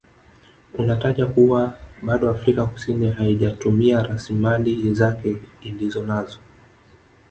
Unataja kuwa bado Afrika Kusini haijatumia rasilimali zake Ilizonanazo